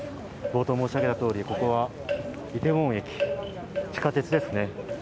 冒頭申し上げたとおり、ここはイテウォン駅、地下鉄ですね。